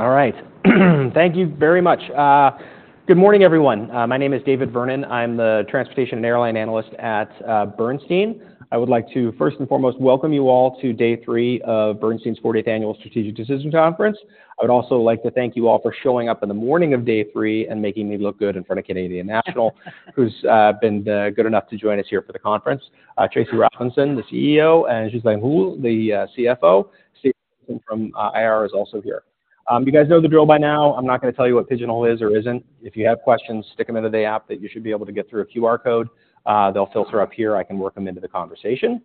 All right. Thank you very much. Good morning, everyone. My name is David Vernon. I'm the Transportation and Airline Analyst at Bernstein. I would like to first and foremost welcome you all to day 3 of Bernstein's 40th Annual Strategic Decision Conference. I would also like to thank you all for showing up in the morning of day 3 and making me look good in front of Canadian National, who's been good enough to join us here for the conference. Tracy Robinson, the CEO, and Ghislain Houle the CFO, from IR, is also here. You guys know the drill by now. I'm not gonna tell you what Pigeonhole is or isn't. If you have questions, stick them into the app that you should be able to get through a QR code. They'll filter up here, I can work them into the conversation.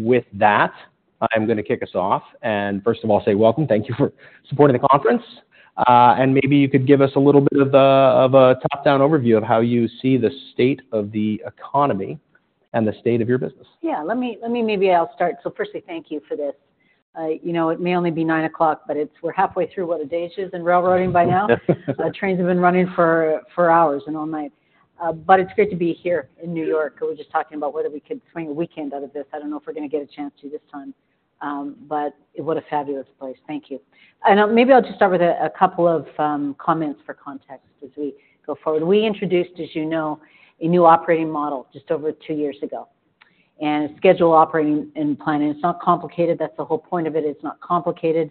With that, I'm gonna kick us off, and first of all, say welcome. Thank you for supporting the conference. And maybe you could give us a little bit of a top-down overview of how you see the state of the economy and the state of your business. Yeah, let me maybe I'll start. So firstly, thank you for this. You know, it may only be 9:00 A.M., but we're halfway through what a day is in railroading by now. Trains have been running for hours and all night. But it's great to be here in New York. We were just talking about whether we could swing a weekend out of this. I don't know if we're gonna get a chance to this time, but what a fabulous place. Thank you. And I'll maybe just start with a couple of comments for context as we go forward. We introduced, as you know, a new operating model just over two years ago, and a schedule operating and planning. It's not complicated. That's the whole point of it. It's not complicated.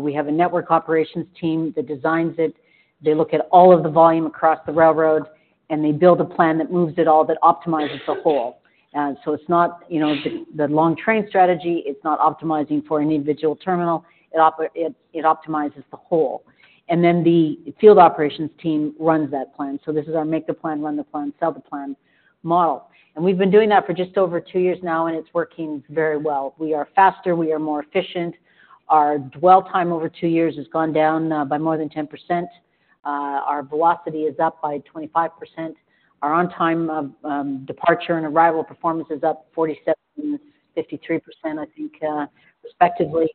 We have a network operations team that designs it. They look at all of the volume across the railroad, and they build a plan that moves it all, that optimizes the whole. So it's not, you know, the long train strategy, it's not optimizing for an individual terminal. It optimizes the whole. And then the field operations team runs that plan. So this is our make the plan, run the plan, sell the plan, model. And we've been doing that for just over two years now, and it's working very well. We are faster. We are more efficient. Our dwell time over two years has gone down by more than 10%. Our velocity is up by 25%. Our on-time departure and arrival performance is up 47%, 53%, I think, respectively.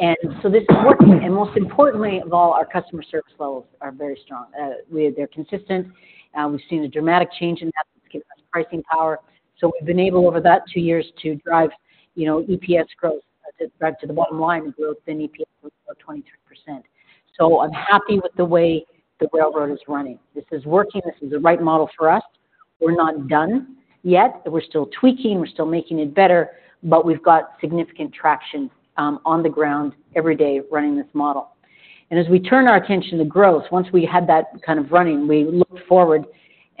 And so this is working, and most importantly of all, our customer service levels are very strong. We-- they're consistent, and we've seen a dramatic change in that, give us pricing power. So we've been able, over that 2 years to drive, you know, EPS growth, as it drive to the bottom line, growth in EPS of 23%. So I'm happy with the way the railroad is running. This is working. This is the right model for us. We're not done yet. We're still tweaking. We're still making it better, but we've got significant traction, on the ground every day running this model. And as we turn our attention to growth, once we had that kind of running, we looked forward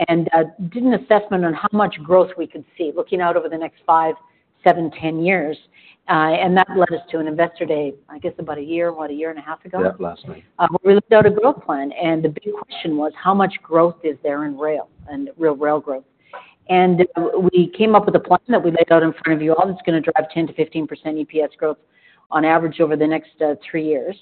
and, did an assessment on how much growth we could see looking out over the next 5, 7, 10 years. That led us to an investor day, I guess, about a year, what, a year and a half ago? Yeah, last night. We looked at a growth plan, and the big question was: How much growth is there in rail and real rail growth? And we came up with a plan that we laid out in front of you all. It's gonna drive 10%-15% EPS growth on average over the next three years.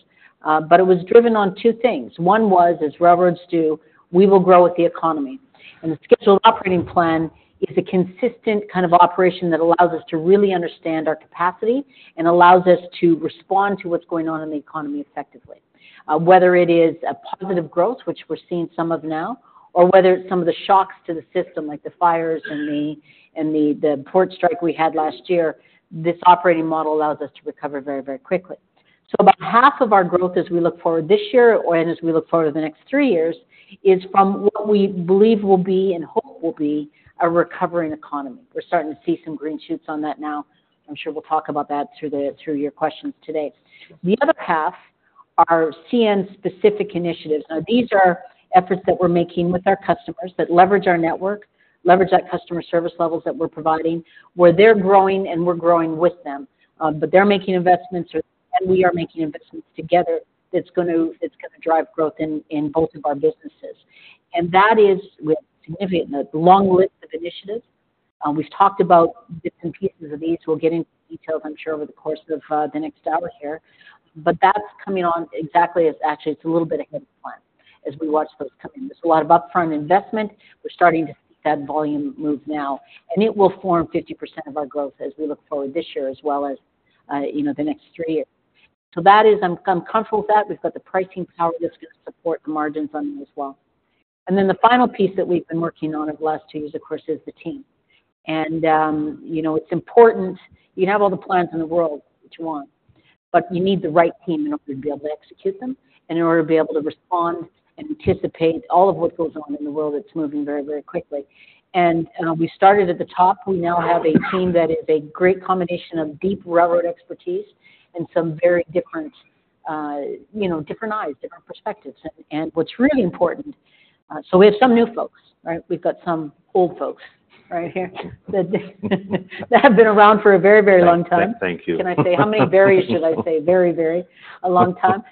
But it was driven on two things. One was, as railroads do, we will grow with the economy, and the scheduled operating plan is a consistent kind of operation that allows us to really understand our capacity and allows us to respond to what's going on in the economy effectively. Whether it is a positive growth, which we're seeing some of now, or whether it's some of the shocks to the system, like the fires and the port strike we had last year, this operating model allows us to recover very, very quickly. So about half of our growth as we look forward this year or/and as we look forward to the next three years, is from what we believe will be and hope will be a recovering economy. We're starting to see some green shoots on that now. I'm sure we'll talk about that through your questions today. The other half are CN-specific initiatives. Now, these are efforts that we're making with our customers that leverage our network, leverage that customer service levels that we're providing, where they're growing and we're growing with them. But they're making investments, or/and we are making investments together that's going to, it's gonna drive growth in, in both of our businesses. And that is with significant, a long list of initiatives. We've talked about different pieces of these. We'll get into details, I'm sure, over the course of, the next hour here. But that's coming on exactly as-- actually, it's a little bit ahead of plan as we watch those coming in. There's a lot of upfront investment. We're starting to see that volume move now, and it will form 50% of our growth as we look forward this year, as well as, you know, the next three years. So that is, I'm, I'm comfortable with that. We've got the pricing power that's gonna support the margins on them as well. And then the final piece that we've been working on over the last two years, of course, is the team. And, you know, it's important you have all the plans in the world that you want, but you need the right team in order to be able to execute them, and in order to be able to respond and anticipate all of what goes on in the world, it's moving very, very quickly. And, we started at the top. We now have a team that is a great combination of deep railroad expertise and some very different, you know, different eyes, different perspectives. And, what's really important. So we have some new folks, right? We've got some old folks right here, that have been around for a very, very long time. Thank you. Can I say, how many berries should I say? Very, very, a long time.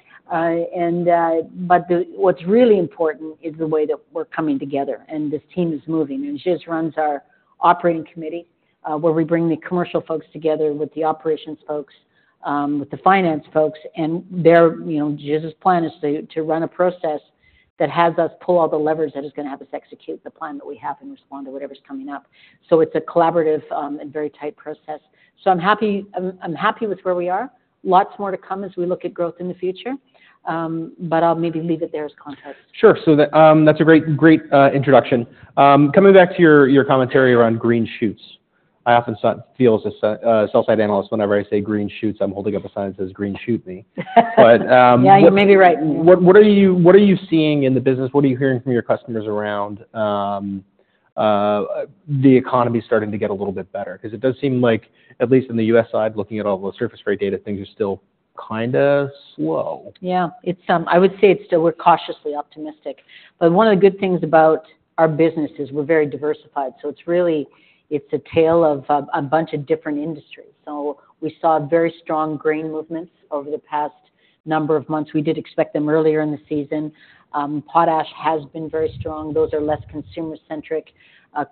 But what's really important is the way that we're coming together, and this team is moving. She just runs our operating committee, where we bring the commercial folks together with the operations folks, with the finance folks, and their, you know, Ghislain's plan is to run a process that has us pull all the levers that is gonna have us execute the plan that we have and respond to whatever's coming up. So it's a collaborative, and very tight process. So I'm happy with where we are. Lots more to come as we look at growth in the future, but I'll maybe leave it there as context. Sure. So that, that's a great, great, introduction. Coming back to your, your commentary around green shoots. I often feel as a, sell-side analyst, whenever I say green shoots, I'm holding up a sign that says, "Green, shoot me. Yeah, you may be right. What are you seeing in the business? What are you hearing from your customers around the economy starting to get a little bit better? 'Cause it does seem like, at least in the U.S. side, looking at all the surface freight data, things are still kinda slow. Yeah. It's, I would say it's still we're cautiously optimistic. But one of the good things about our business is we're very diversified, so it's really—it's a tale of a bunch of different industries. So we saw very strong grain movements over the past number of months. We did expect them earlier in the season. Potash has been very strong. Those are less consumer-centric.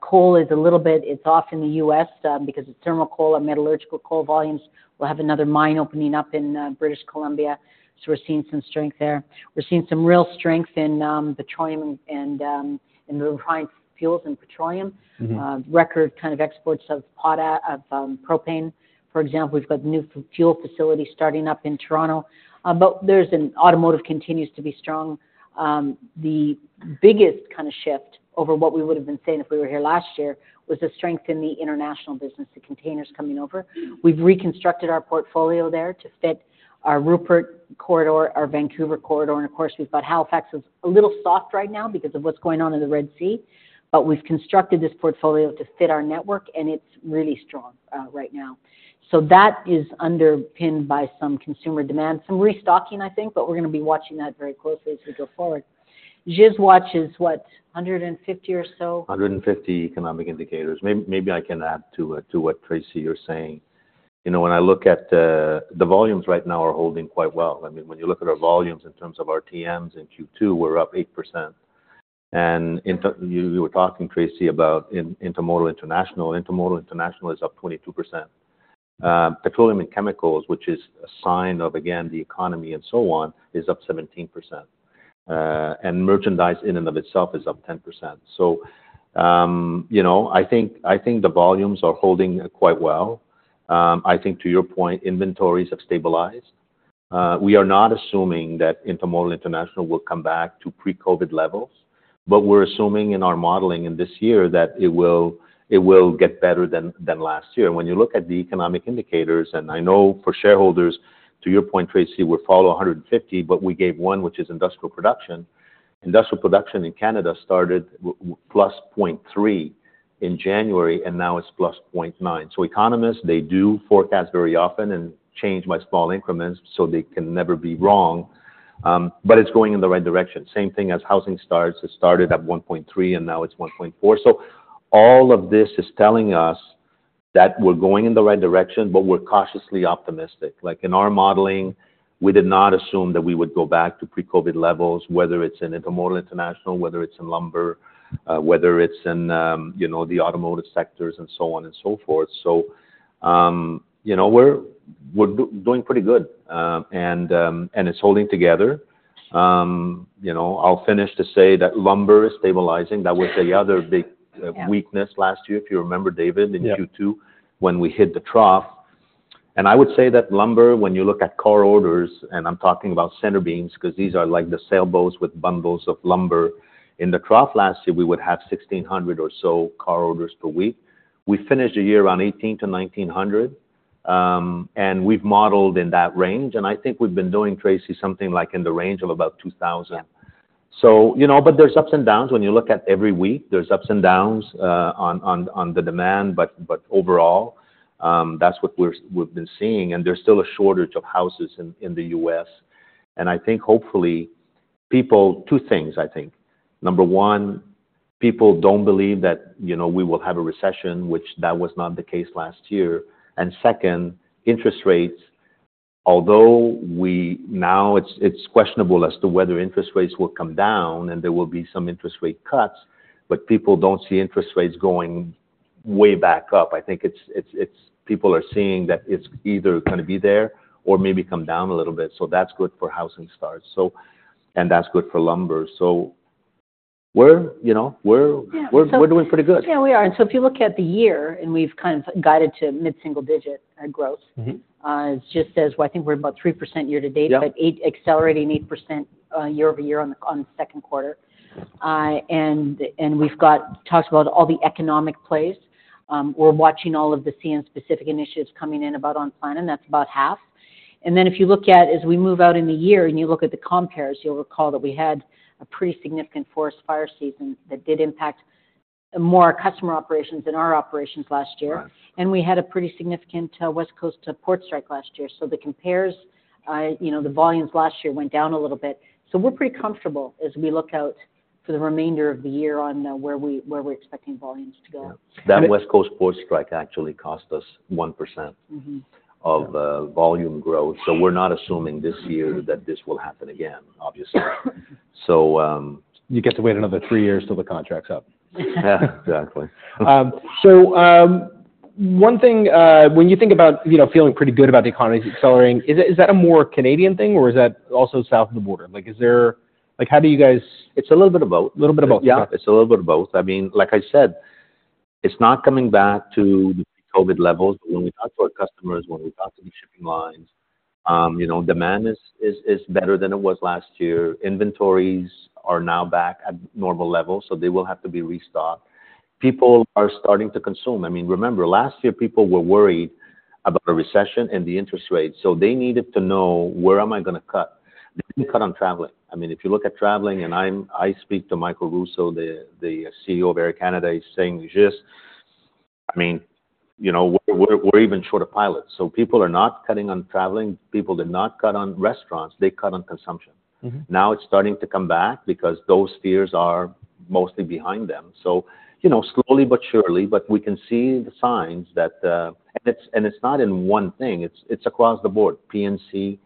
Coal is a little bit off in the US, because it's thermal coal and metallurgical coal volumes. We'll have another mine opening up in British Columbia, so we're seeing some strength there. We're seeing some real strength in petroleum and in refined fuels and petroleum. Mm-hmm. Record kind of exports of propane, for example. We've got new fuel facilities starting up in Toronto. But automotive continues to be strong. The biggest kind of shift over what we would've been saying if we were here last year was the strength in the international business, the containers coming over. We've reconstructed our portfolio there to fit our Rupert corridor, our Vancouver corridor, and of course, we've got Halifax. It's a little soft right now because of what's going on in the Red Sea, but we've constructed this portfolio to fit our network, and it's really strong right now. So that is underpinned by some consumer demand, some restocking, I think, but we're gonna be watching that very closely as we go forward. Ghislain watches what? 150 or so- 150 economic indicators. Maybe I can add to what Tracy you're saying. You know, when I look at the volumes right now are holding quite well. I mean, when you look at our volumes in terms of RTMs in Q2, we're up 8%. And you were talking, Tracy, about Intermodal International. Intermodal International is up 22%. Petroleum and chemicals, which is a sign of, again, the economy and so on, is up 17%. And merchandise in and of itself is up 10%. So, you know, I think, I think the volumes are holding quite well. I think to your point, inventories have stabilized. We are not assuming that Intermodal International will come back to pre-COVID levels, but we're assuming in our modeling in this year that it will get better than last year. When you look at the economic indicators, and I know for shareholders, to your point, Tracy, we follow 150, but we gave one, which is industrial production. Industrial production in Canada started plus point three in January, and now it's plus point nine. So economists, they do forecast very often and change by small increments, so they can never be wrong, but it's going in the right direction. Same thing as housing starts. It started at one point three, and now it's one point four. So all of this is telling us that we're going in the right direction, but we're cautiously optimistic. Like, in our modeling, we did not assume that we would go back to pre-COVID levels, whether it's in Intermodal International, whether it's in lumber, whether it's in, you know, the automotive sectors and so on and so forth. So, you know, we're doing pretty good. And it's holding together. You know, I'll finish to say that lumber is stabilizing. That was the other big, Yeah... weakness last year, if you remember, David- Yeah... in Q2 when we hit the trough. And I would say that lumber, when you look at car orders, and I'm talking about center beams, 'cause these are like the sailboats with bundles of lumber. In the trough last year, we would have 1,600 or so car orders per week. We finished the year around 1,800-1,900, and we've modeled in that range, and I think we've been doing, Tracy, something like in the range of about 2,000. Yeah. So, you know, but there's ups and downs. When you look at every week, there's ups and downs on the demand, but overall, that's what we've been seeing, and there's still a shortage of houses in the US. And I think hopefully, people. Two things, I think. Number one, people don't believe that, you know, we will have a recession, which that was not the case last year. And second, interest rates, although now it's questionable as to whether interest rates will come down, and there will be some interest rate cuts, but people don't see interest rates going way back up. I think it's, people are seeing that it's either gonna be there or maybe come down a little bit, so that's good for housing starts. So, and that's good for lumber. So we're, you know, we're- Yeah, so- We're doing pretty good. Yeah, we are. And so if you look at the year, and we've kind of guided to mid-single digit growth- Mm-hmm... it just says, well, I think we're about 3% year to date- Yeah... but accelerating 8%, year-over-year on the second quarter. And we've talked about all the economic plays. We're watching all of the CN-specific initiatives coming in about on plan, and that's about half. Then if you look at, as we move out in the year, and you look at the compares, you'll recall that we had a pretty significant forest fire season that did impact more our customer operations than our operations last year. Right. We had a pretty significant West Coast port strike last year. So the compares, you know, the volumes last year went down a little bit. So we're pretty comfortable as we look out for the remainder of the year on where we're expecting volumes to go. Yeah. That West Coast port strike actually cost us 1%- Mm-hmm... of volume growth. So we're not assuming this year that this will happen again, obviously. So You get to wait another three years till the contract's up. Yeah, exactly. So, one thing, when you think about, you know, feeling pretty good about the economy accelerating, is that a more Canadian thing, or is that also south of the border? Like, how do you guys- It's a little bit of both. Little bit of both. Yeah. It's a little bit of both. I mean, like I said, it's not coming back to the COVID levels. But when we talk to our customers, when we talk to the shipping lines, you know, demand is better than it was last year. Inventories are now back at normal levels, so they will have to be restocked. People are starting to consume. I mean, remember, last year people were worried about a recession and the interest rates, so they needed to know, where am I gonna cut? They didn't cut on traveling. I mean, if you look at traveling, and I speak to Michael Rousseau, the CEO of Air Canada, he's saying, "Ghis, I mean, you know, we're even short of pilots." So people are not cutting on traveling. People did not cut on restaurants. They cut on consumption. Mm-hmm. Now it's starting to come back because those fears are mostly behind them. So, you know, slowly but surely, but we can see the signs that. And it's not in one thing, it's across the board. PNC,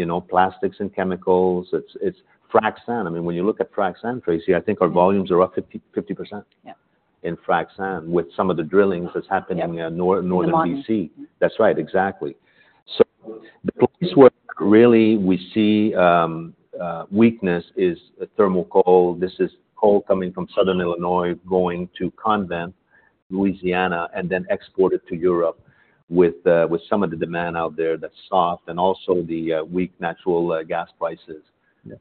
you know, Plastics and Chemicals, it's frac sand. I mean, when you look at frac sand, Tracy, I think our volumes are up 50%- Yeah in Frac Sand, with some of the drillings that's happening- Yeah in Northern BC. In the north. That's right, exactly. So the place where really we see weakness is the thermal coal. This is coal coming from Southern Illinois, going to Convent, Louisiana, and then exported to Europe with some of the demand out there that's soft, and also the weak natural gas prices. Yeah.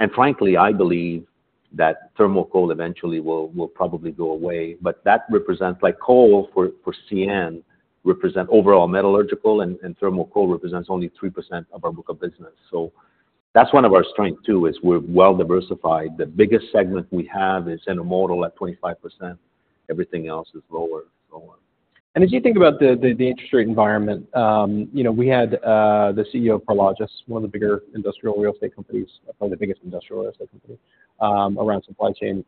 And frankly, I believe that thermal coal eventually will probably go away, but that represents—like, coal for CN represent overall metallurgical and thermal coal represents only 3% of our book of business. So that's one of our strength, too, is we're well diversified. The biggest segment we have is intermodal at 25%. Everything else is lower. As you think about the interest rate environment, you know, we had the CEO of Prologis, one of the bigger industrial real estate companies, probably the biggest industrial real estate company, around supply chain,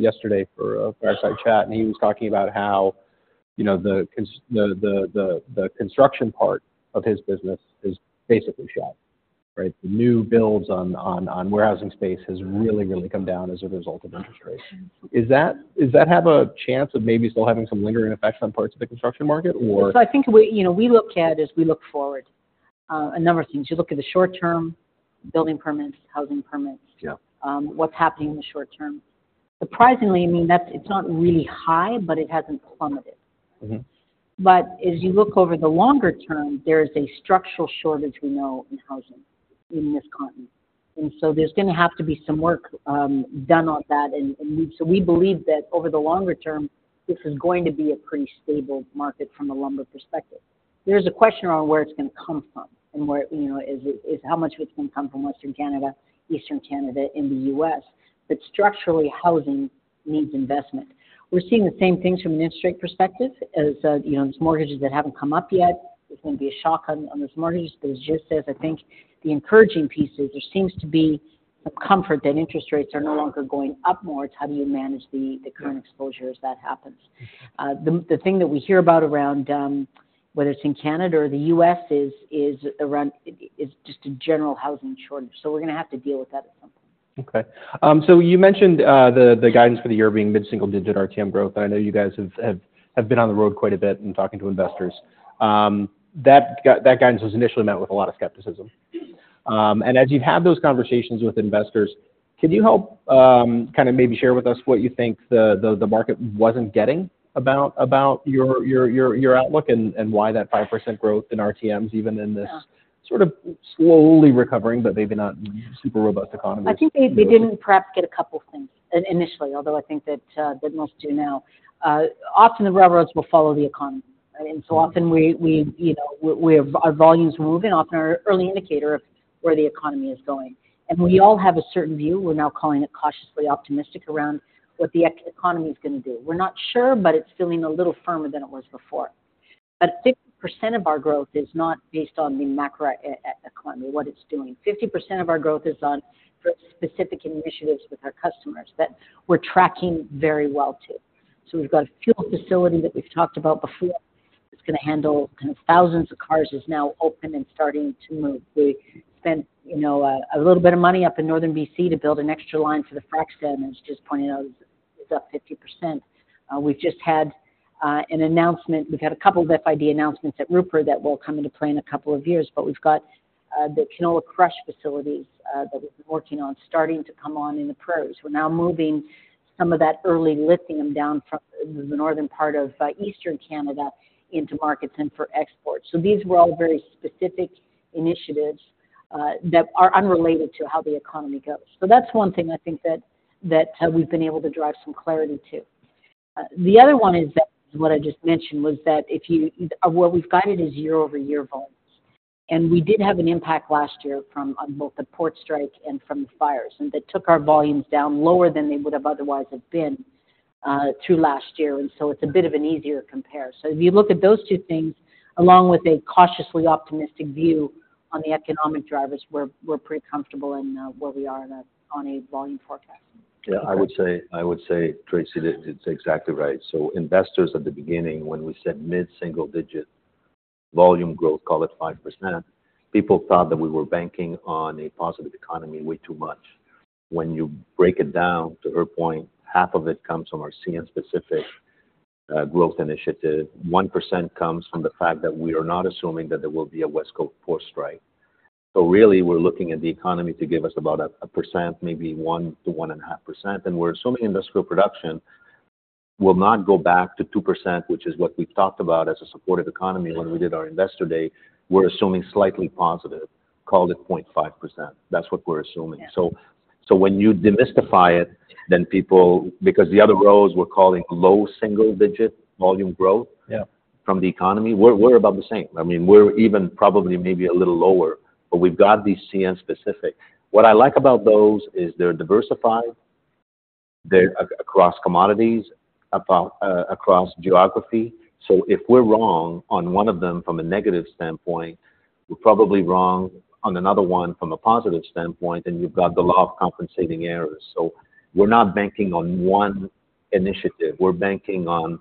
yesterday for a fireside chat, and he was talking about how, you know, the construction part of his business is basically shut, right? The new builds on warehousing space has really, really come down as a result of interest rates. Does that have a chance of maybe still having some lingering effects on parts of the construction market, or? So I think we, you know, we look at as we look forward, a number of things. You look at the short term, building permits, housing permits- Yeah ... What's happening in the short term? Surprisingly, I mean, that's. It's not really high, but it hasn't plummeted. Mm-hmm. But as you look over the longer term, there is a structural shortage we know in housing in this continent. And so there's gonna have to be some work done on that and, and so we believe that over the longer term, this is going to be a pretty stable market from a lumber perspective. There's a question around where it's gonna come from and where, you know, is how much of it's gonna come from Western Canada, Eastern Canada, and the U.S. But structurally, housing needs investment. We're seeing the same things from an interest rate perspective. As you know, there's mortgages that haven't come up yet. There's gonna be a shock on those mortgages. But as Gis says, I think the encouraging piece is there seems to be some comfort that interest rates are no longer going up more. It's how do you manage the- Yeah -the current exposure as that happens? The thing that we hear about around whether it's in Canada or the US is just a general housing shortage. So we're gonna have to deal with that at some point. Okay. So you mentioned the guidance for the year being mid-single digit RTM growth. I know you guys have been on the road quite a bit and talking to investors. That guidance was initially met with a lot of skepticism. And as you've had those conversations with investors, can you help kind of maybe share with us what you think the market wasn't getting about your outlook and why that 5% growth in RTMs, even in this- Yeah sort of slowly recovering but maybe not super robust economy? I think they, they didn't perhaps get a couple of things, initially, although I think that, that most do now. Often the railroads will follow the economy, right? And so often we, we, you know, we're, we're—our volumes moving, often our early indicator of where the economy is going. And we all have a certain view, we're now calling it cautiously optimistic, around what the economy is gonna do. We're not sure, but it's feeling a little firmer than it was before. But 50% of our growth is not based on the macro economy, what it's doing. 50% of our growth is on specific initiatives with our customers that we're tracking very well, too. So we've got a fuel facility that we've talked about before, that's gonna handle kind of thousands of cars, is now open and starting to move. We spent, you know, a little bit of money up in northern BC to build an extra line for the frac sand, as Gis pointed out, is up 50%. We've just had an announcement. We've had a couple of big announcements at Rupert that will come into play in a couple of years, but we've got the canola crush facilities that we've been working on, starting to come on in the Prairies. We're now moving some of that early lithium down from the northern part of Eastern Canada into markets and for export. So these were all very specific initiatives that are unrelated to how the economy goes. So that's one thing I think that we've been able to drive some clarity to. The other one is that, what I just mentioned, was that if you-- what we've guided is year-over-year volumes. And we did have an impact last year from, on both the port strike and from the fires, and that took our volumes down lower than they would have otherwise have been, through last year, and so it's a bit of an easier compare. So if you look at those two things, along with a cautiously optimistic view on the economic drivers, we're, we're pretty comfortable in, where we are in a-- on a volume forecast. Yeah, I would say, I would say, Tracy, that it's exactly right. So investors at the beginning, when we said mid-single digit volume growth, call it 5%, people thought that we were banking on a positive economy way too much. When you break it down, to her point, half of it comes from our CN specific growth initiative. 1% comes from the fact that we are not assuming that there will be a West Coast port strike. So really, we're looking at the economy to give us about a percent, maybe 1%-1.5%, and we're assuming industrial production will not go back to 2%, which is what we've talked about as a supportive economy when we did our Investor Day. We're assuming slightly positive, call it 0.5%. That's what we're assuming. Yeah. So, when you demystify it, then people, because the other rows we're calling low single digit volume growth- Yeah From the economy, we're about the same. I mean, we're even probably, maybe a little lower, but we've got these CN-specific. What I like about those is they're diversified, they're across commodities, across geography. So if we're wrong on one of them from a negative standpoint, we're probably wrong on another one from a positive standpoint, then you've got the law of compensating errors. So we're not banking on one initiative, we're banking on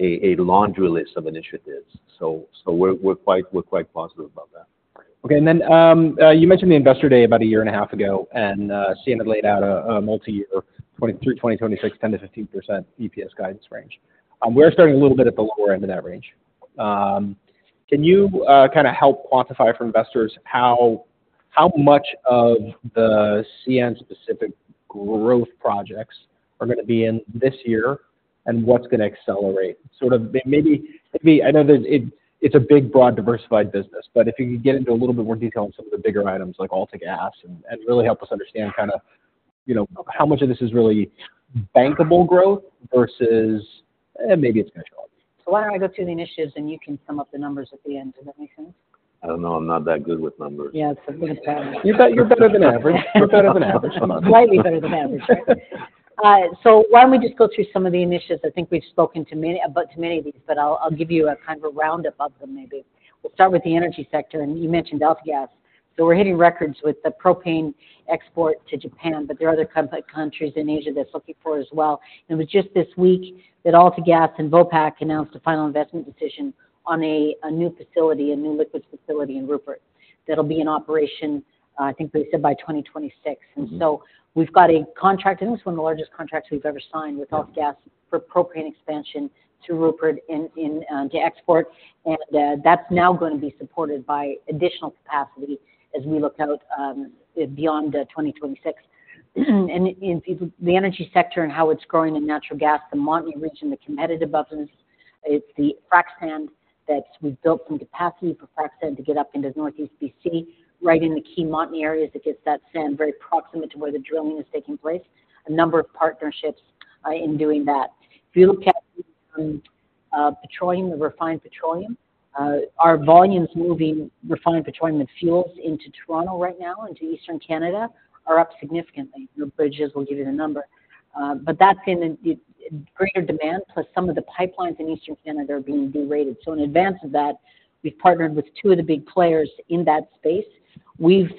a laundry list of initiatives. So we're quite positive about that. Okay. And then, you mentioned the Investor Day about a year and a half ago, and, CN had laid out a multiyear 2020 through 2026, 10%-15% EPS guidance range. We're starting a little bit at the lower end of that range. Can you kind of help quantify for investors how much of the CN specific growth projects are gonna be in this year, and what's gonna accelerate? Sort of maybe, I know that it, it's a big, broad, diversified business, but if you could get into a little bit more detail on some of the bigger items like AltaGas, and really help us understand kind of, you know, how much of this is really bankable growth versus, maybe it's gonna show up. Why don't I go through the initiatives, and you can sum up the numbers at the end. Does that make sense? I don't know. I'm not that good with numbers. Yeah, it's a big pattern. You're better than average. You're better than average. Slightly better than average. So why don't we just go through some of the initiatives? I think we've spoken to many about too many of these, but I'll give you a kind of a roundup of them maybe. We'll start with the energy sector, and you mentioned AltaGas. So we're hitting records with the propane export to Japan, but there are other countries in Asia that's looking for as well. It was just this week that AltaGas and Vopak announced a final investment decision on a new facility, a new liquid facility in Prince Rupert, that'll be in operation, I think they said by 2026. Mm-hmm. And so we've got a contract, and this is one of the largest contracts we've ever signed with AltaGas for propane expansion to Rupert to export. And that's now gonna be supported by additional capacity as we look out beyond 2026. In the energy sector and how it's growing in natural gas, the Montney rich and the competitive abundance, it's the frac sand that we've built some capacity for frac sand to get up into Northeast BC, right in the key Montney areas that gets that sand very proximate to where the drilling is taking place. A number of partnerships in doing that. If you look at petroleum, refined petroleum, our volumes moving refined petroleum and fuels into Toronto right now and to Eastern Canada are up significantly. No bridges, we'll give you the number. But that's in greater demand, plus some of the pipelines in Eastern Canada are being derated. So in advance of that, we've partnered with two of the big players in that space. We've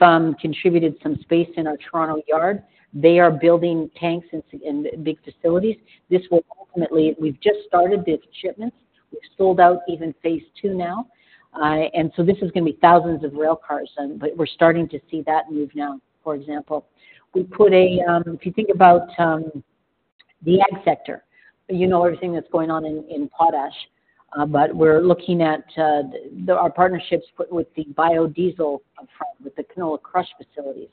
contributed some space in our Toronto yard. They are building tanks and big facilities. This will ultimately... We've just started the shipments. We've sold out even phase two now. And so this is gonna be thousands of railcars, but we're starting to see that move now, for example. We put a, if you think about, the ag sector, you know, everything that's going on in potash, but we're looking at, our partnerships put with the biodiesel up front, with the canola crush facilities.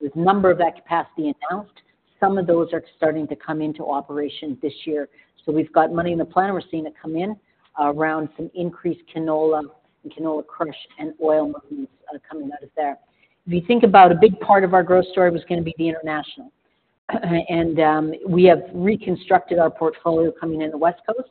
There's a number of that capacity announced. Some of those are starting to come into operation this year. So we've got money in the plan. We're seeing it come in, around some increased canola and canola crush and oil movements, coming out of there. If you think about a big part of our growth story was gonna be the international. And, we have reconstructed our portfolio coming in the West Coast,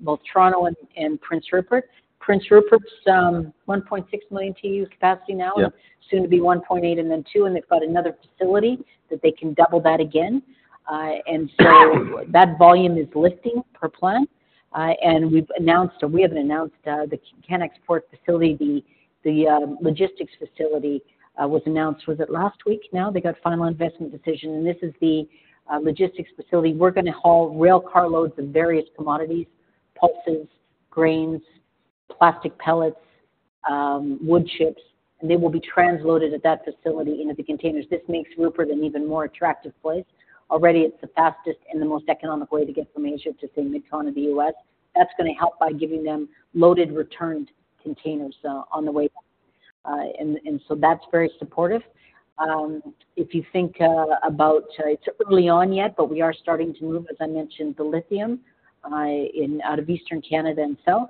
both Toronto and Prince Rupert. Prince Rupert's 1.6 million TUs capacity now- Yeah... soon to be 1.8, and then 2, and they've got another facility that they can double that again. And so that volume is lifting per plan. And we've announced, or we haven't announced, the CanExport facility, the logistics facility, was announced, was it last week now? They got final investment decision, and this is the logistics facility. We're gonna haul railcar loads of various commodities, pulses, grains, plastic pellets, wood chips, and they will be transloaded at that facility into the containers. This makes Rupert an even more attractive place. Already, it's the fastest and the most economic way to get from Asia to say, Midcon of the U.S. That's gonna help by giving them loaded returned containers on the way back. And so that's very supportive. If you think about, it's early on yet, but we are starting to move, as I mentioned, the lithium in out of Eastern Canada and south.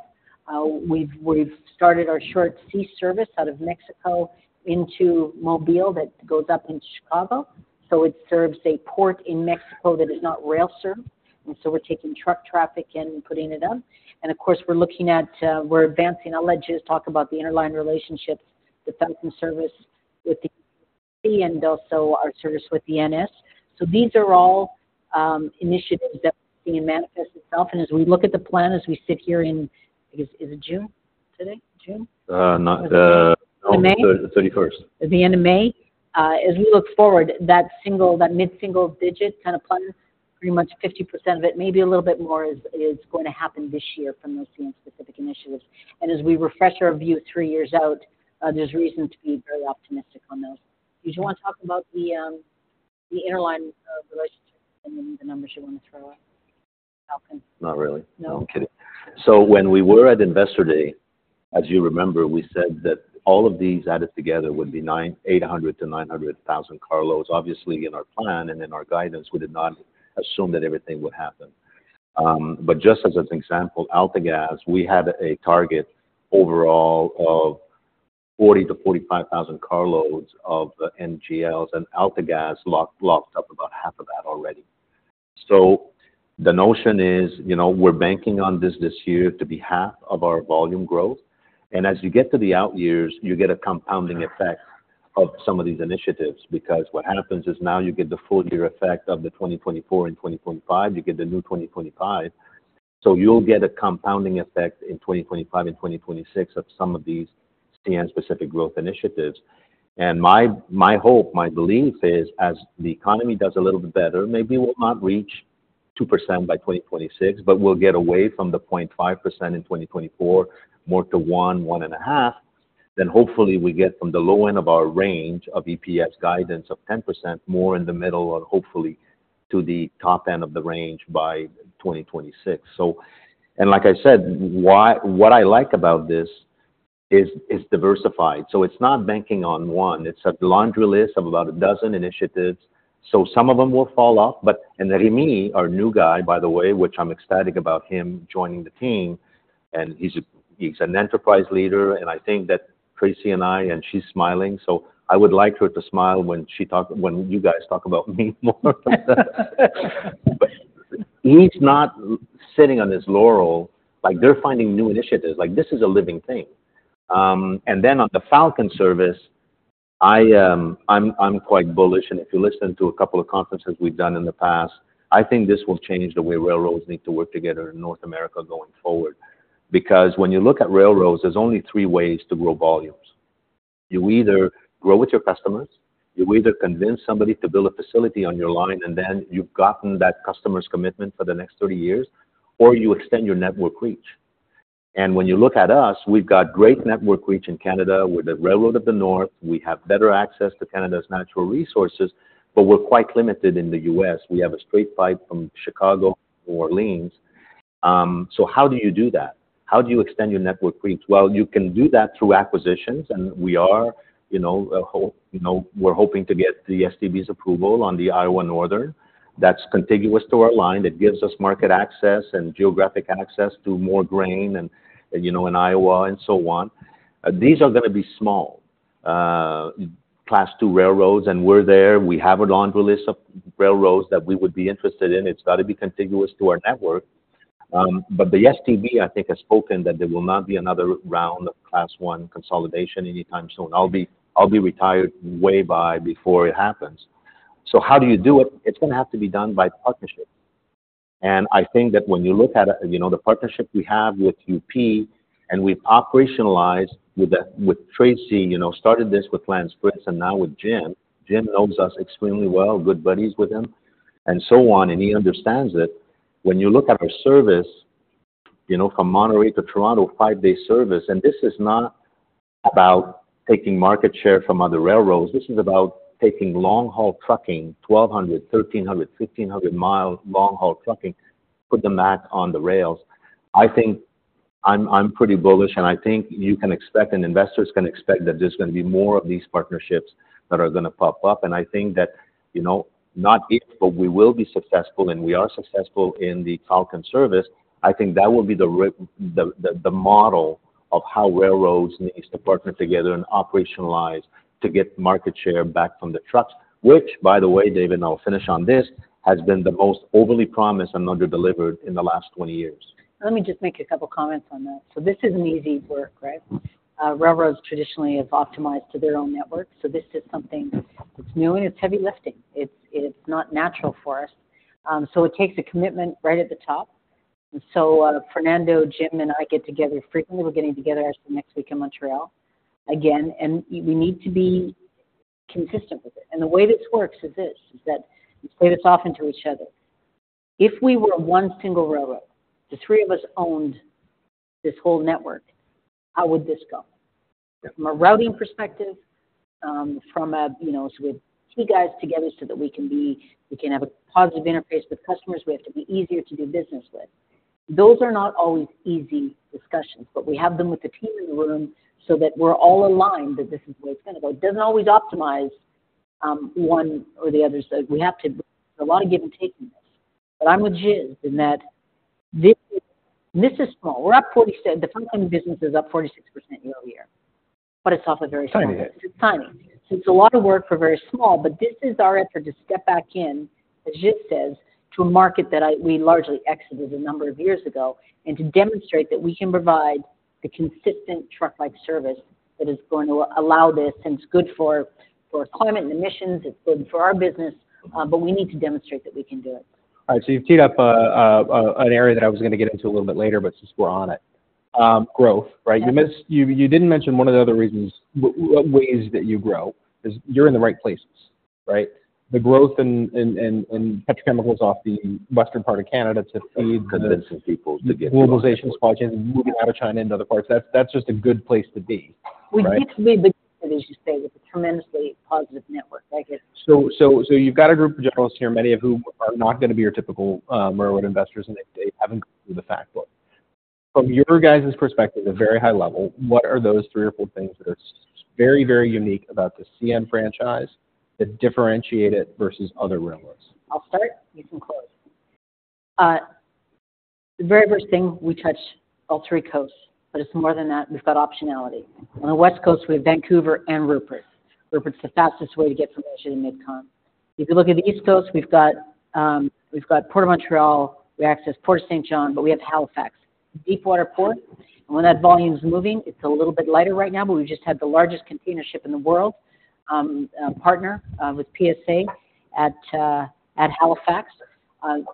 We've started our short sea service out of Mexico into Mobile, that goes up into Chicago. So it serves a port in Mexico that is not rail served, and so we're taking truck traffic and putting it up. And of course, we're looking at, we're advancing. I'll let you just talk about the interline relationships, the Falcon service with the-- and also our service with the NS. So these are all initiatives that we see manifest itself, and as we look at the plan, as we sit here in, I guess, is it June today? June? Uh, not, uh- May? It's the 31st. The end of May. As we look forward, that mid-single digit kind of plan, pretty much 50% of it, maybe a little bit more, is going to happen this year from those specific initiatives. As we refresh our view three years out, there's reason to be very optimistic on those. Did you want to talk about the interline relationship and maybe the numbers you want to throw out? Falcon. Not really. No? I'm kidding. So when we were at Investor Day. As you remember, we said that all of these added together would be 800-900 thousand carloads. Obviously, in our plan and in our guidance, we did not assume that everything would happen. But just as an example, AltaGas, we had a target overall of 40-45 thousand carloads of NGLs, and AltaGas locked, locked up about half of that already. So the notion is, you know, we're banking on this, this year to be half of our volume growth. And as you get to the out years, you get a compounding effect of some of these initiatives, because what happens is now you get the full year effect of the 2024 and 2025, you get the new 2025. So you'll get a compounding effect in 2025 and 2026 of some of these CN specific growth initiatives. And my, my hope, my belief is as the economy does a little bit better, maybe we'll not reach 2% by 2026, but we'll get away from the 0.5% in 2024, more to 1%-1.5%. Then hopefully we get from the low end of our range of EPS guidance of 10% more in the middle or hopefully to the top end of the range by 2026. So and like I said, what I like about this is, it's diversified, so it's not banking on one. It's a laundry list of about a dozen initiatives, so some of them will fall off. But, Remy, our new guy, by the way, which I'm ecstatic about him joining the team, and he's a, he's an enterprise leader, and I think that Tracy and I, and she's smiling, so I would like her to smile when she talks, when you guys talk about me more. But he's not sitting on his laurels, like, they're finding new initiatives, like this is a living thing. And then on the Falcon service, I'm quite bullish, and if you listen to a couple of conferences we've done in the past, I think this will change the way railroads need to work together in North America going forward. Because when you look at railroads, there's only three ways to grow volumes. You either grow with your customers, you either convince somebody to build a facility on your line, and then you've gotten that customer's commitment for the next 30 years, or you extend your network reach. When you look at us, we've got great network reach in Canada. We're the railroad of the North. We have better access to Canada's natural resources, but we're quite limited in the US. We have a straight fight from Chicago, New Orleans. So how do you do that? How do you extend your network reach? Well, you can do that through acquisitions, and we are, you know, hoping to get the STB's approval on the Iowa Northern. That's contiguous to our line. It gives us market access and geographic access to more grain and, you know, in Iowa and so on. These are gonna be small, class 2 railroads, and we're there. We have a laundry list of railroads that we would be interested in. It's got to be contiguous to our network. But the STB, I think, has spoken, that there will not be another round of class 1 consolidation anytime soon. I'll be, I'll be retired way before it happens. So how do you do it? It's gonna have to be done by partnership. And I think that when you look at, you know, the partnership we have with UP, and we've operationalized with Tracy, you know, started this with Lance Fritz and now with Jim. Jim knows us extremely well, good buddies with him and so on, and he understands it. When you look at our service, you know, from Montney to Toronto, 5-day service, and this is not about taking market share from other railroads, this is about taking long-haul trucking, 1,200, 1,300, 1,500 mile long-haul trucking, put them back on the rails. I think I'm pretty bullish, and I think you can expect, and investors can expect that there's gonna be more of these partnerships that are gonna pop up. And I think that, you know, not if, but we will be successful and we are successful in the Falcon service. I think that will be the model of how railroads needs to partner together and operationalize to get market share back from the trucks, which, by the way, David, and I'll finish on this, has been the most overly promised and underdelivered in the last 20 years. Let me just make a couple comments on that. So this isn't easy work, right? Railroads traditionally have optimized to their own network, so this is something that's new and it's heavy lifting. It's not natural for us. So it takes a commitment right at the top. And so, Fernando, Jim, and I get together frequently. We're getting together actually next week in Montreal again, and we need to be consistent with it. And the way this works is that we play this off into each other. If we were one single railroad, the three of us owned this whole network, how would this go? From a routing perspective, you know, so we have three guys together so that we can have a positive interface with customers. We have to be easier to do business with. Those are not always easy discussions, but we have them with the team in the room so that we're all aligned, that this is the way it's gonna go. It doesn't always optimize one or the other, so we have to do a lot of give and take in this. But I'm with Jim in that this is, this is small. We're up 47—the front end business is up 46% year-over-year, but it's off a very small- Tiny. It's tiny. It's a lot of work for very small, but this is our effort to step back in, as Jim says, to a market that we largely exited a number of years ago, and to demonstrate that we can provide the consistent truck-like service that is going to allow this, and it's good for climate and emissions, it's good for our business, but we need to demonstrate that we can do it. All right. So you've teed up an area that I was gonna get into a little bit later, but since we're on it. Growth, right? You missed—you, you didn't mention one of the other reasons, what ways that you grow, is you're in the right places, right? The growth in petrochemicals off the western part of Canada to feed- Convincing people to get- Globalization's supply chain and moving out of China into other parts, that's, that's just a good place to be.... We get to be the, as you say, with a tremendously positive network. I get- So, you've got a group of journalists here, many of whom are not gonna be your typical railroad investors, and they haven't read the fact book. From your guys' perspective, at a very high level, what are those three or four things that's very, very unique about the CN franchise that differentiate it versus other railroads? I'll start, you can close. The very first thing, we touch all three coasts, but it's more than that, we've got optionality. On the West Coast, we have Vancouver and Rupert. Rupert's the fastest way to get from Asia to Midcon. If you look at the East Coast, we've got Port of Montreal, we access Port of Saint John, but we have Halifax, deepwater port, and when that volume's moving, it's a little bit lighter right now, but we've just had the largest container ship in the world, partner with PSA at Halifax.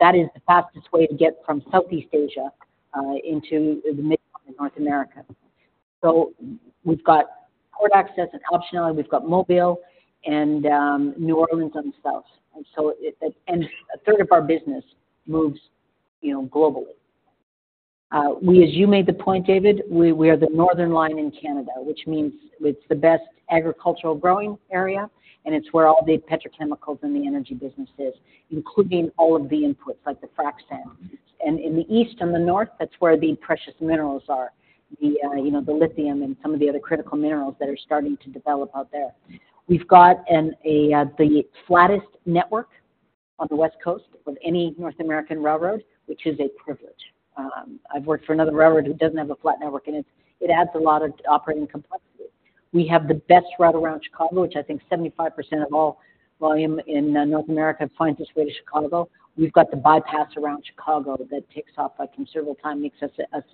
That is the fastest way to get from Southeast Asia into the mid of North America. So we've got port access and optionality. We've got Mobile and New Orleans on the south, and so it and a third of our business moves, you know, globally. We, as you made the point, David, we are the northern line in Canada, which means it's the best agricultural growing area, and it's where all the petrochemicals and the energy business is, including all of the inputs, like the frac sand. And in the east and the north, that's where the precious minerals are, the lithium and some of the other critical minerals that are starting to develop out there. We've got the flattest network on the West Coast of any North American railroad, which is a privilege. I've worked for another railroad who doesn't have a flat network, and it adds a lot of operating complexity. We have the best route around Chicago, which I think 75% of all volume in North America finds its way to Chicago. We've got the bypass around Chicago that takes off a considerable time, makes us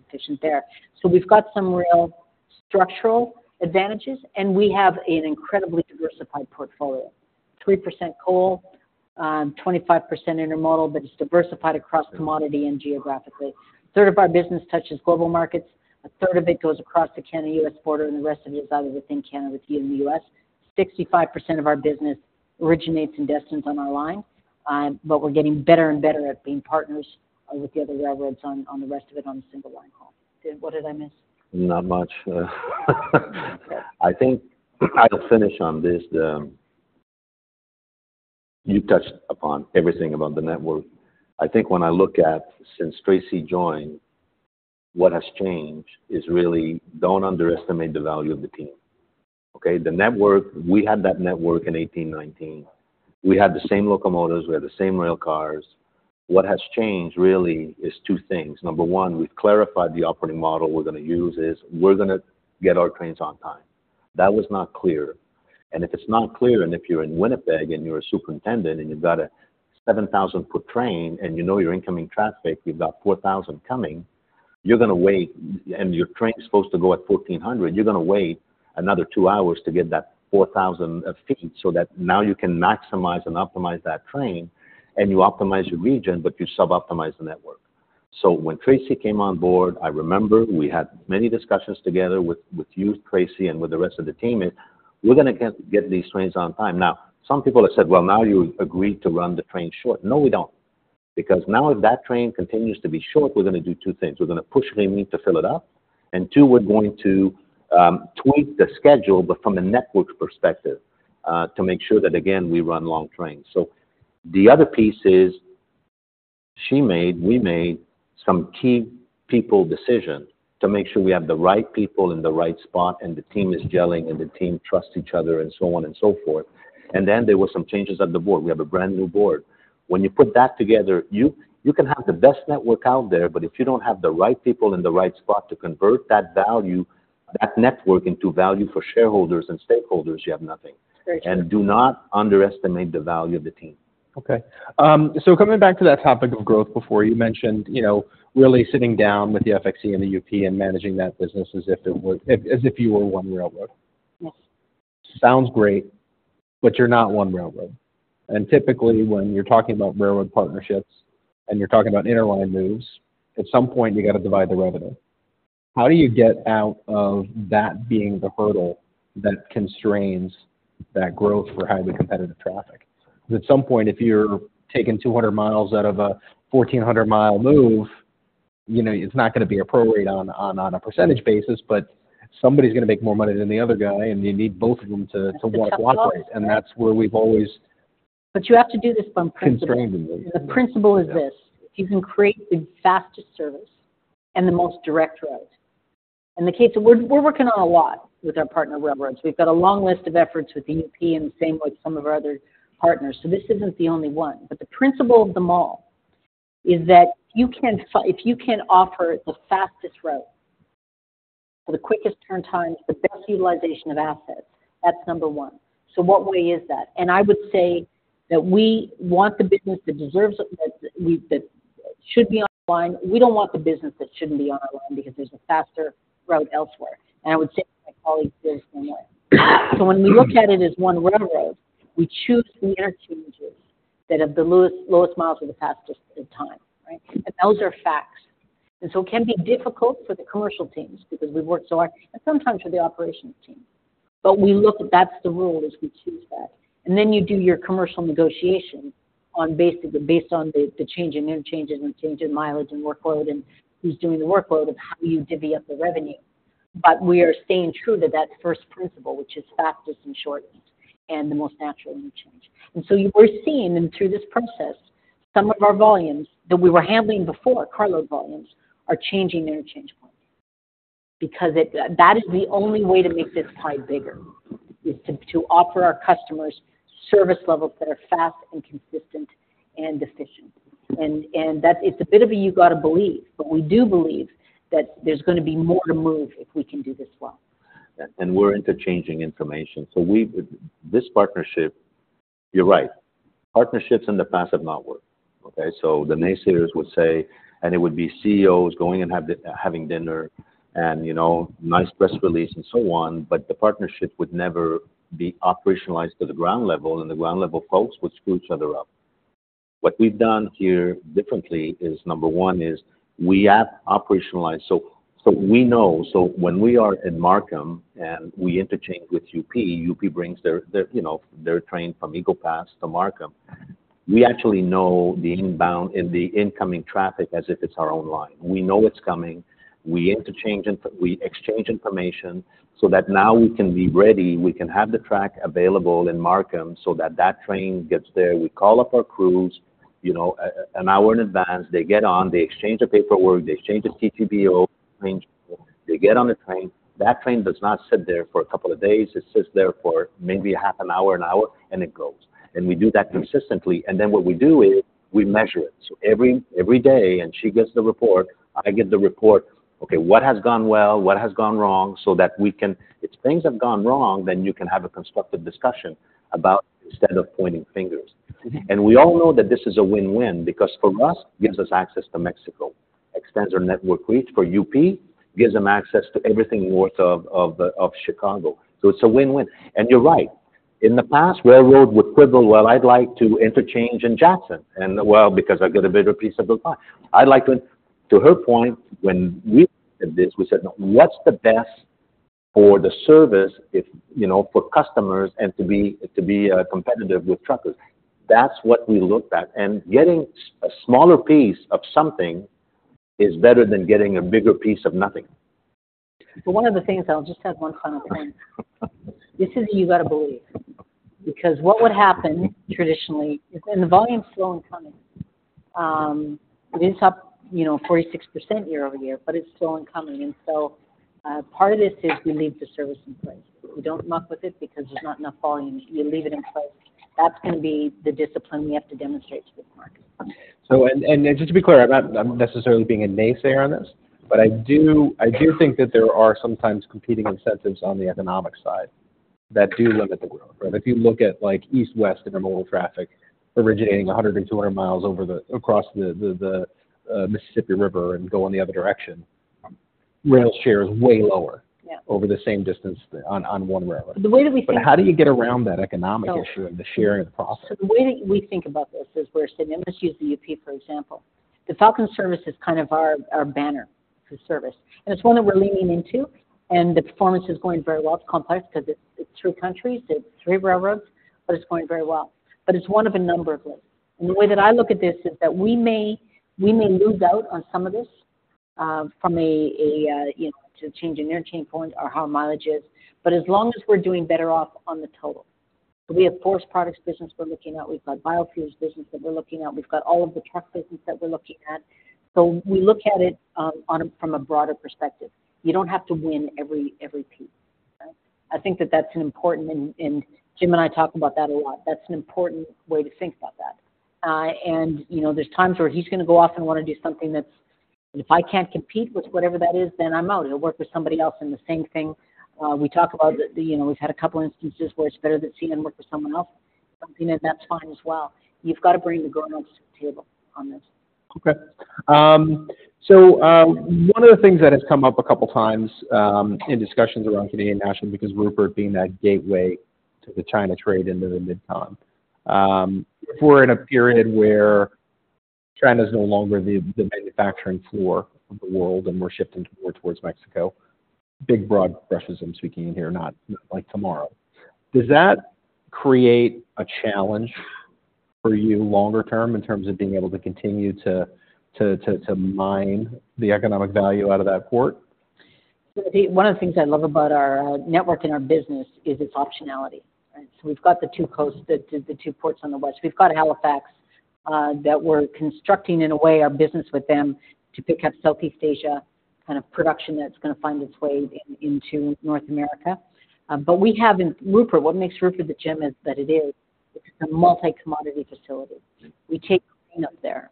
efficient there. So we've got some real structural advantages, and we have an incredibly diversified portfolio. 3% coal, 25% intermodal, but it's diversified across commodity and geographically. A third of our business touches global markets, a third of it goes across the Canada-US border, and the rest of it is either within Canada or in the US. 65% of our business originates and destines on our line, but we're getting better and better at being partners with the other railroads on the rest of it on a single line haul. David, what did I miss? Not much. I think I'll finish on this, you've touched upon everything about the network. I think when I look at since Tracy joined, what has changed is really don't underestimate the value of the team, okay? The network, we had that network in 2018, 2019. We had the same locomotives, we had the same rail cars. What has changed really is two things. Number one, we've clarified the operating model we're gonna use is we're gonna get our trains on time. That was not clear, and if it's not clear, and if you're in Winnipeg, and you're a superintendent, and you've got a 7,000-foot train, and you know your incoming traffic, you've got 4,000 feet coming, you're gonna wait, and your train is supposed to go at 2:00 P.M., you're gonna wait another 2 hours to get that 4,000 feet, so that now you can maximize and optimize that train, and you optimize your region, but you suboptimize the network. So when Tracy came on board, I remember we had many discussions together with you, Tracy, and with the rest of the team, and we're gonna get these trains on time. Now, some people have said, "Well, now you agreed to run the train short." No, we don't, because now if that train continues to be short, we're gonna do two things. We're gonna push them in to fill it up, and two, we're going to tweak the schedule, but from a network perspective, to make sure that again, we run long trains. So the other piece is, she made, we made some key people decision to make sure we have the right people in the right spot, and the team is gelling, and the team trusts each other, and so on and so forth. And then there were some changes on the board. We have a brand-new board. When you put that together, you, you can have the best network out there, but if you don't have the right people in the right spot to convert that value, that network into value for shareholders and stakeholders, you have nothing. Very true. Do not underestimate the value of the team. Okay, so coming back to that topic of growth, before you mentioned, you know, really sitting down with the FXE and the UP and managing that business as if it were- as if you were one railroad. Yes. Sounds great, but you're not one railroad, and typically, when you're talking about railroad partnerships, and you're talking about interline moves, at some point, you got to divide the revenue. How do you get out of that being the hurdle that constrains that growth for highly competitive traffic? At some point, if you're taking 200 miles out of a 1,400-mile move, you know, it's not gonna be a prorate on a, on a percentage basis, but somebody's gonna make more money than the other guy, and you need both of them to- That's a tough one.... walk away. And that's where we've always- But you have to do this from principle. Constrained them. The principle is this: if you can create the fastest service and the most direct route. We're working on a lot with our partner railroads. We've got a long list of efforts with UP and the same with some of our other partners, so this isn't the only one. But the principle of them all is that if you can offer the fastest route or the quickest turn times, the best utilization of assets, that's number one. So what way is that? I would say that we want the business that deserves it, that we, that should be on the line. We don't want the business that shouldn't be on our line because there's a faster route elsewhere, and I would say my colleague feels the same way. So when we look at it as one railroad, we choose the interchanges that have the lowest, lowest miles or the fastest time, right? And those are facts. And so it can be difficult for the commercial teams because we've worked so hard and sometimes for the operations team.... But we look, that's the rule as we choose that. And then you do your commercial negotiation on basis, based on the change in interchanges and change in mileage and workload, and who's doing the workload, of how you divvy up the revenue. But we are staying true to that first principle, which is fastest and shortest, and the most natural interchange. And so we're seeing, and through this process, some of our volumes that we were handling before, cargo volumes, are changing their interchange point. Because that is the only way to make this pie bigger, is to offer our customers service levels that are fast and consistent and efficient. And that's, it's a bit of a you gotta believe, but we do believe that there's gonna be more to move if we can do this well. Yeah, and we're interchanging information. So this partnership, you're right. Partnerships in the past have not worked, okay? So the naysayers would say, and it would be CEOs going and having dinner and, you know, nice press release and so on, but the partnership would never be operationalized to the ground level, and the ground level folks would screw each other up. What we've done here differently is, number one is, we have operationalized, so, so we know. So when we are in Markham, and we interchange with UP, UP brings their, you know, their train from Eagle Pass to Markham. We actually know the inbound and the incoming traffic as if it's our own line. We know it's coming. We interchange—we exchange information so that now we can be ready. We can have the track available in Markham so that that train gets there. We call up our crews, you know, an hour in advance. They get on, they exchange the paperwork, they exchange the TGBO, they get on the train. That train does not sit there for a couple of days. It sits there for maybe half an hour, an hour, and it goes. And we do that consistently. And then what we do is, we measure it. So every day, and she gets the report, I get the report. Okay, what has gone well? What has gone wrong? So that we can, if things have gone wrong, then you can have a constructive discussion about, instead of pointing fingers. And we all know that this is a win-win, because for us, it gives us access to Mexico, extends our network reach. For UP, gives them access to everything north of Chicago. So it's a win-win. And you're right. In the past, railroad would quibble, "Well, I'd like to interchange in Jackson, and well, because I get a bigger piece of the pie." I'd like to—to her point, when we did this, we said, "No, what's the best for the service, you know, for customers and to be competitive with truckers?" That's what we looked at, and getting a smaller piece of something is better than getting a bigger piece of nothing. One of the things, I'll just add one final point. This is, you gotta believe, because what would happen traditionally is the volume's still incoming. It is up, you know, 46% year-over-year, but it's still incoming. So, part of this is we leave the service in place. We don't muck with it because there's not enough volume. You leave it in place. That's gonna be the discipline we have to demonstrate to the market. So just to be clear, I'm not necessarily being a naysayer on this, but I do think that there are sometimes competing incentives on the economic side that do limit the growth, right? If you look at, like, east-west intermodal traffic originating 100 and 200 miles across the Mississippi River and going the other direction, rail share is way lower- Yeah over the same distance on one railroad. The way that we think- But how do you get around that economic issue? Oh. - and the sharing of the profit? So the way that we think about this is we're saying, let's use the UP, for example. The Falcon Service is kind of our banner for service, and it's one that we're leaning into, and the performance is going very well. It's complex because it's two countries, it's three railroads, but it's going very well. But it's one of a number of them. And the way that I look at this is that we may lose out on some of this, you know, to change interchange points or how mileage is, but as long as we're doing better off on the total. We have forest products business we're looking at, we've got biofuels business that we're looking at, we've got all of the truck business that we're looking at. So we look at it from a broader perspective. You don't have to win every piece. I think that's an important, and Jim and I talk about that a lot. That's an important way to think about that. You know, there's times where he's gonna go off and wanna do something that's... If I can't compete with whatever that is, then I'm out. It'll work with somebody else in the same thing. We talk about, you know, we've had a couple instances where it's better that CN work with someone else, something, and that's fine as well. You've got to bring the governments to the table on this. Okay. So, one of the things that has come up a couple times in discussions around Canadian National, because Prince Rupert being that gateway to the China trade into the Mid-Continent. If we're in a period where China is no longer the manufacturing floor of the world, and we're shifting more towards Mexico, big broad brushes I'm speaking in here, not like tomorrow. Does that create a challenge for you longer term, in terms of being able to continue to mine the economic value out of that port? One of the things I love about our network and our business is its optionality, right? So we've got the two coasts, the two ports on the west. We've got Halifax that we're constructing in a way, our business with them to pick up Southeast Asia kind of production that's gonna find its way into North America. But we have in Rupert, what makes Rupert the gem is that it is, it's a multi-commodity facility. We take everything up there.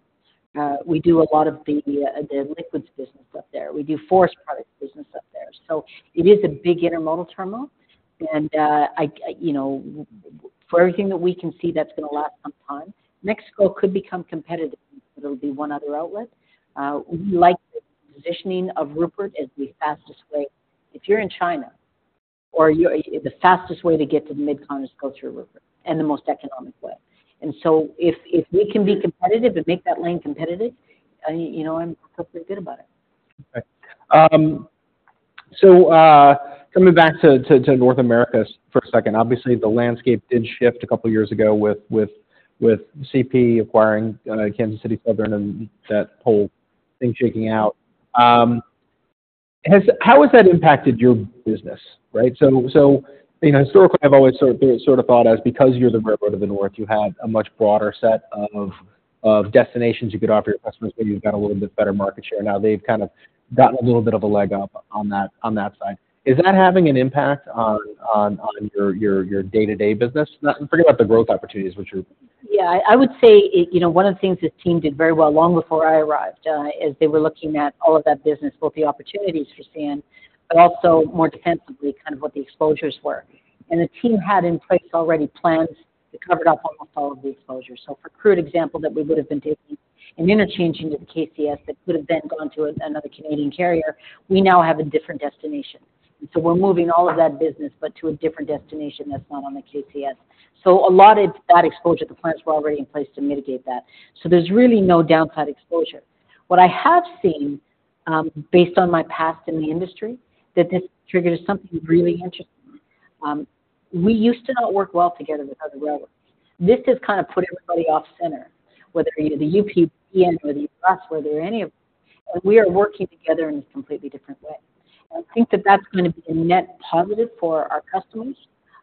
We do a lot of the liquids business up there. We do forest products business up there. So it is a big intermodal terminal, and you know, for everything that we can see, that's gonna last some time. Mexico could become competitive, so there'll be one other outlet. We like the positioning of Rupert as the fastest way. If you're in China, the fastest way to get to the Midcon is go through Rupert, and the most economic way. So if, if we can be competitive and make that lane competitive, you know, I'm perfectly good about it.... Okay. So, coming back to North America for a second. Obviously, the landscape did shift a couple of years ago with CP acquiring Kansas City Southern, and that whole thing shaking out. How has that impacted your business, right? So, you know, historically, I've always sort of thought as, because you're the railroad of the North, you had a much broader set of destinations you could offer your customers, but you've got a little bit better market share. Now, they've kind of gotten a little bit of a leg up on that side. Is that having an impact on your day-to-day business? Forget about the growth opportunities, which you're- Yeah, I would say, you know, one of the things this team did very well, long before I arrived, is they were looking at all of that business, both the opportunities for CN, but also more defensively, kind of what the exposures were. And the team had in place already plans to cover up almost all of the exposures. So for a crude example, that we would have been taking an interchange into KCS, that could have then gone to another Canadian carrier, we now have a different destination. And so we're moving all of that business, but to a different destination that's not on the KCS. So a lot of that exposure, the plans were already in place to mitigate that. So there's really no downside exposure. What I have seen, based on my past in the industry, that this triggered something really interesting. We used to not work well together with other railroads. This has kind of put everybody off center, whether the UP, or the NS, whether any of them, and we are working together in a completely different way. And I think that that's gonna be a net positive for our customers,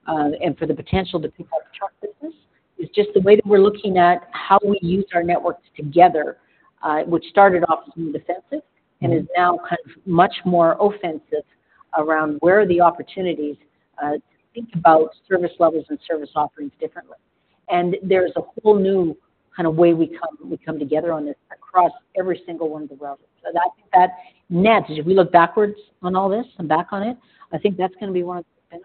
and for the potential to pick up truck business. It's just the way that we're looking at how we use our networks together, which started off as being defensive, and is now kind of much more offensive around where are the opportunities, to think about service levels and service offerings differently. And there's a whole new kind of way we come together on this, across every single one of the railroads. That net, as we look backwards on all this and back on it, I think that's gonna be one of the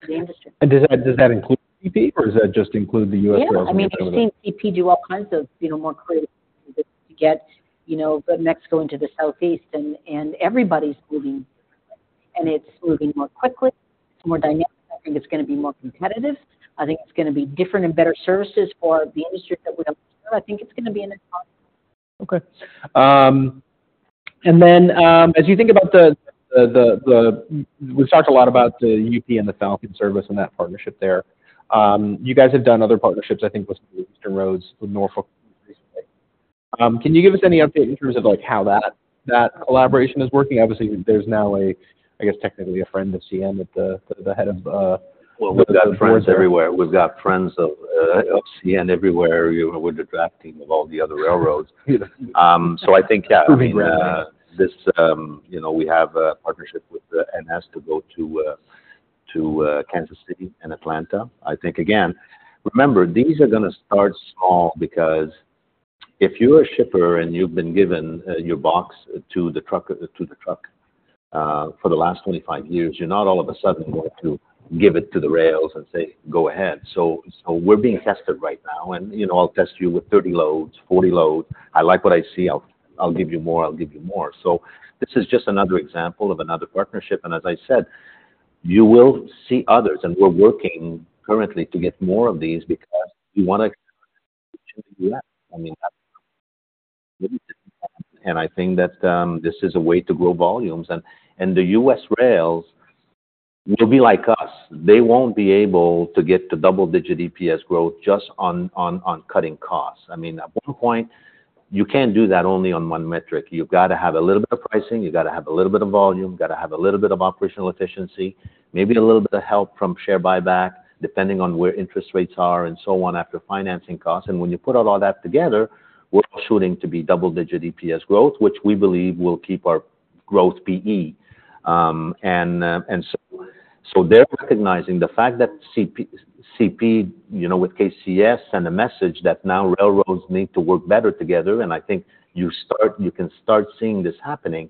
for the industry. Does that, does that include CP or does that just include the U.S. railroads? Yeah, I mean, we've seen CP do all kinds of, you know, more creative to get, you know, the Mexico into the Southeast and, and everybody's moving, and it's moving more quickly, it's more dynamic. I think it's gonna be more competitive. I think it's gonna be different and better services for the industry that we have. I think it's gonna be an advance. Okay. And then, as you think about the—we've talked a lot about the UP and the Falcon service and that partnership there. You guys have done other partnerships, I think, with eastern roads, with Norfolk recently. Can you give us any update in terms of, like, how that collaboration is working? Obviously, there's now a, I guess, technically a friend of CN at the head of Well, we've got friends everywhere. We've got friends of CN everywhere, you know, with the draft team of all the other railroads. So I think, yeah, I mean, this, you know, we have a partnership with the NS to go to, to, Kansas City and Atlanta. I think, again, remember, these are gonna start small because if you're a shipper and you've been given, your box to the truck, to the truck, for the last 25 years, you're not all of a sudden going to give it to the rails and say, "Go ahead." So we're being tested right now, and, you know, I'll test you with 30 loads, 40 loads. I like what I see, I'll give you more, I'll give you more. So this is just another example of another partnership, and as I said, you will see others, and we're working currently to get more of these because we wanna do that. I mean, I think that this is a way to grow volumes, and the US rails will be like us. They won't be able to get the double-digit EPS growth just on cutting costs. I mean, at one point, you can't do that only on one metric. You've got to have a little bit of pricing, you've got to have a little bit of volume, you've got to have a little bit of operational efficiency, maybe a little bit of help from share buyback, depending on where interest rates are, and so on after financing costs. When you put all of that together, we're shooting to be double-digit EPS growth, which we believe will keep our growth PE. They're recognizing the fact that CP, CP, you know, with KCS and the message that now railroads need to work better together, and I think you can start seeing this happening.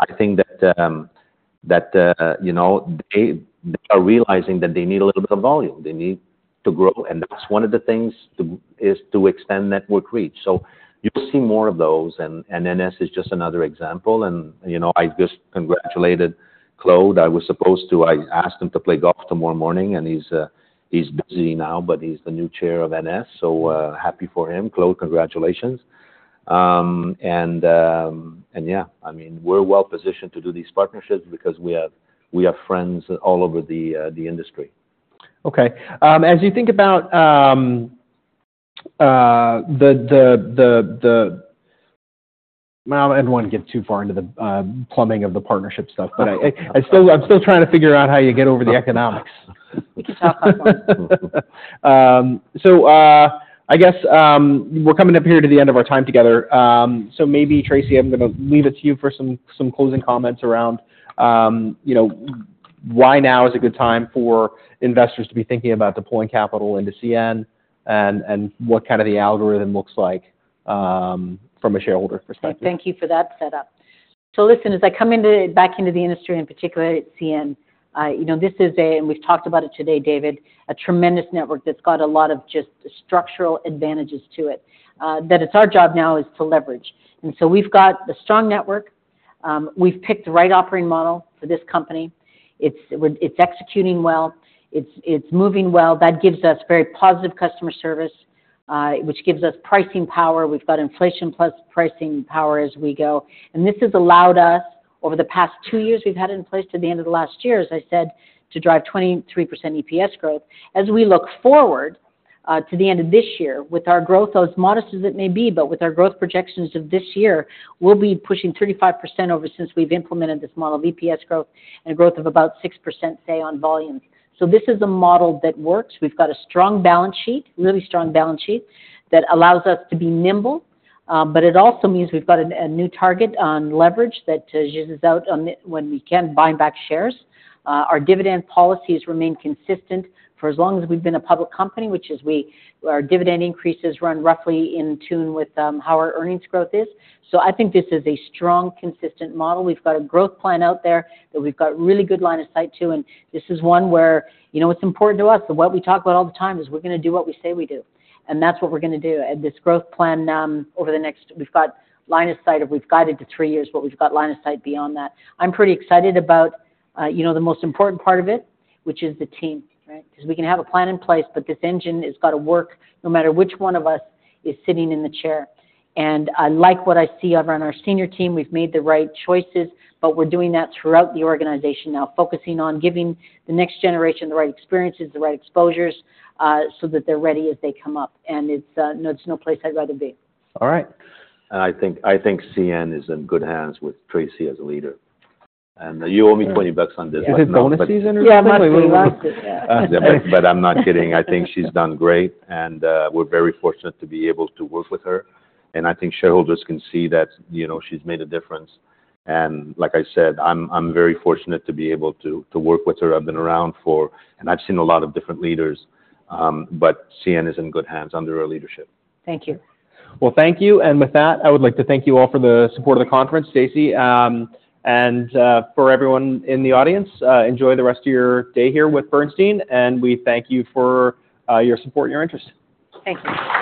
I think that, you know, they, they are realizing that they need a little bit of volume, they need to grow, and that's one of the things to, is to extend network reach. So you'll see more of those, and NS is just another example, and, you know, I just congratulated Claude. I was supposed to, I asked him to play golf tomorrow morning, and he's, he's busy now, but he's the new Chair of NS, so happy for him. Claude, congratulations. And yeah, I mean, we're well positioned to do these partnerships because we have friends all over the industry. Okay. As you think about... Well, I don't want to get too far into the plumbing of the partnership stuff, but I still- I'm still trying to figure out how you get over the economics. So, I guess, we're coming up here to the end of our time together. So maybe, Tracy, I'm gonna leave it to you for some closing comments around, you know, why now is a good time for investors to be thinking about deploying capital into CN and what kind of the algorithm looks like, from a shareholder perspective? Thank you for that setup. So listen, as I come back into the industry, in particular at CN, you know, this is a, and we've talked about it today, David, a tremendous network that's got a lot of just structural advantages to it, that it's our job now is to leverage. And so we've got the strong network, we've picked the right operating model for this company. It's executing well, it's moving well. That gives us very positive customer service, which gives us pricing power. We've got inflation plus pricing power as we go, and this has allowed us, over the past two years we've had it in place to the end of the last year, as I said, to drive 23% EPS growth. As we look forward to the end of this year, with our growth, as modest as it may be, but with our growth projections of this year, we'll be pushing 35% ever since we've implemented this model of EPS growth and a growth of about 6%, say, on volume. So this is a model that works. We've got a strong balance sheet, really strong balance sheet, that allows us to be nimble, but it also means we've got a new target on leverage that uses out on when we can buy back shares. Our dividend policies remain consistent for as long as we've been a public company, which is our dividend increases run roughly in tune with how our earnings growth is. So I think this is a strong, consistent model. We've got a growth plan out there that we've got really good line of sight to, and this is one where, you know, it's important to us, and what we talk about all the time is we're gonna do what we say we do, and that's what we're gonna do. And this growth plan, over the next—we've got line of sight of we've guided to three years, but we've got line of sight beyond that. I'm pretty excited about, you know, the most important part of it, which is the team, right? 'Cause we can have a plan in place, but this engine has got to work no matter which one of us is sitting in the chair. And I like what I see over on our senior team. We've made the right choices, but we're doing that throughout the organization now, focusing on giving the next generation the right experiences, the right exposures, so that they're ready as they come up. And it's, there's no place I'd rather be. All right. I think, I think CN is in good hands with Tracy as a leader. You owe me $20 on this- Is it bonus season or something? Yeah, I'm not saying he likes it, yeah. But I'm not kidding. I think she's done great, and we're very fortunate to be able to work with her. And I think shareholders can see that, you know, she's made a difference. And like I said, I'm very fortunate to be able to work with her. I've been around for... And I've seen a lot of different leaders, but CN is in good hands under her leadership. Thank you. Well, thank you. With that, I would like to thank you all for the support of the conference, Tracy, and for everyone in the audience. Enjoy the rest of your day here with Bernstein, and we thank you for your support and your interest. Thank you.